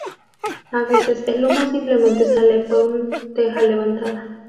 A veces el humo simplemente sale por un teja levantada.